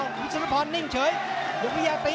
วิชานุพรนิ่งเฉยหยกวินิยาตี